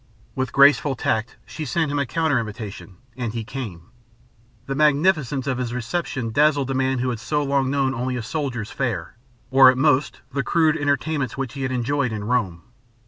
With graceful tact she sent him a counter invitation, and he came. The magnificence of his reception dazzled the man who had so long known only a soldier's fare, or at most the crude entertainments which he had enjoyed in Rome.